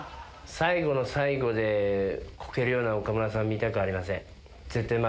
最後の最後でこけるような岡村さん見たくありません。